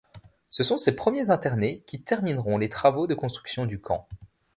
Ce sont ces premiers internés qui termineront les travaux de construction du camp.